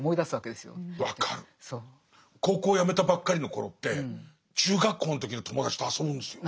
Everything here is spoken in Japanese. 高校をやめたばっかりの頃って中学校の時の友達と遊ぶんですよ。